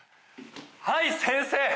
はい先生。